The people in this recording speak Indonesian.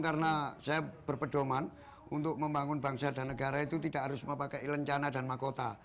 karena saya berpedoman untuk membangun bangsa dan negara itu tidak harus memakai lencana dan mahkota